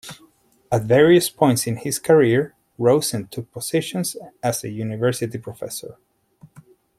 At various points in his career Rosen took positions as a university professor.